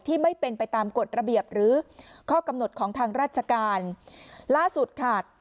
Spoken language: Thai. ไม่เป็นไปตามกฎระเบียบหรือข้อกำหนดของทางราชการล่าสุดค่ะ